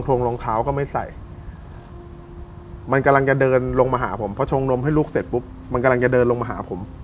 พี่ลูกเสร็จปุ๊บมันกำลังจะเดินลงมาหาผม